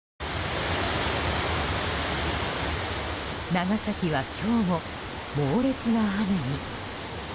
長崎は今日も猛烈な雨に。